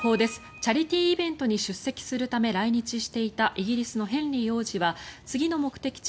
チャリティーイベントに出席するため来日していたイギリスのヘンリー王子は次の目的地